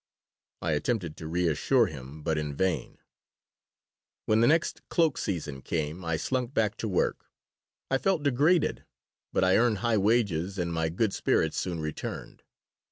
I attempted to reassure him, but in vain When the next cloak season came I slunk back to work. I felt degraded. But I earned high wages and my good spirits soon returned.